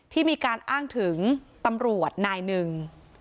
ที่มีการอ้างถึงตำรวจนายหนึ่ง